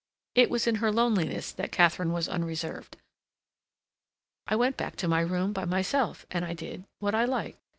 It was in her loneliness that Katharine was unreserved. "I went back to my room by myself and I did—what I liked."